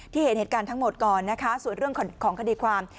เห็นเหตุการณ์ทั้งหมดก่อนนะคะส่วนเรื่องของคดีความ